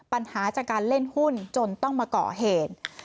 ปัญหาจากการเล่นหุ้นจนต้องมาก่อเหตุ